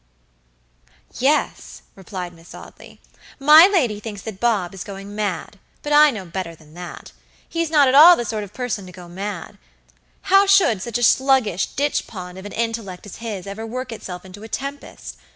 "Yes," replied Miss Audley, "my lady thinks that Bob is going mad, but I know better than that. He's not at all the sort of person to go mad. How should such a sluggish ditch pond of an intellect as his ever work itself into a tempest?